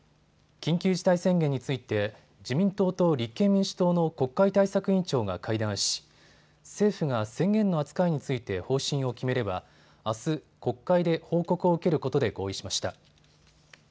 緊急事態宣言について自民党と立憲民主党の国会対策委員長が会談し、政府が宣言の扱いについて方針を決めればあす、国会で報告を受けることで合意しました。